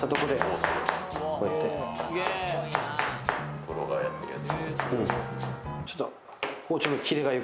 プロがやってるやつ。